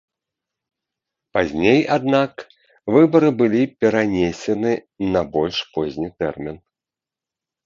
Пазней аднак выбары былі перанесены на больш позні тэрмін.